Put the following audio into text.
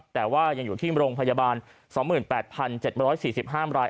แต่ว่ายังอยู่ที่โรงพยาบาล๒๘๗๔๕ราย